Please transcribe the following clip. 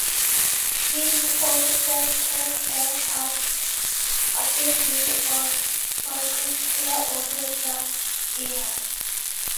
Many of the characters have attended or worked there over the years.